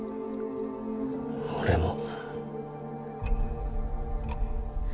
俺も。